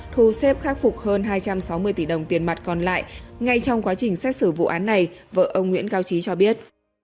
thu xếp khắc phục hơn hai trăm sáu mươi tỷ đồng tiền mặt còn lại ngay trong quá trình xét xử vụ án này vợ ông nguyễn cao trí cho biết